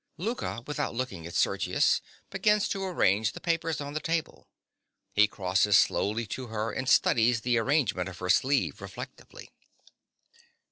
_) (_Louka, without looking at Sergius, begins to arrange the papers on the table. He crosses slowly to her, and studies the arrangement of her sleeve reflectively.